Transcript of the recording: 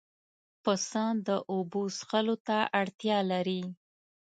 پسه د اوبو څښلو ته اړتیا لري.